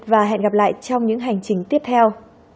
và hẹn gặp lại trong những hành trình tiếp theo